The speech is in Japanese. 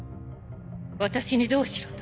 私にどうしろと？